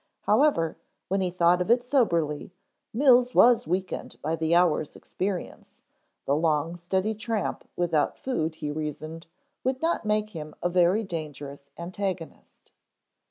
However, when he thought of it soberly, Mills was weakened by the hour's experience, the long steady tramp without food he reasoned would not make him a very dangerous antagonist.